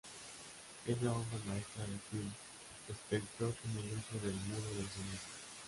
Es la obra maestra de Phil Spector en el uso del muro de sonido.